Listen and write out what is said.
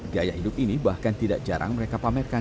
gaya hidup ini bahkan tidak jarang mereka pamerkan